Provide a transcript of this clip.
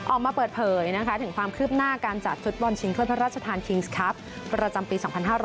ออกมาเปิดเผยถึงความคืบหน้าการจัดฟุตบอลชิงถ้วยพระราชทานคิงส์ครับประจำปี๒๕๕๙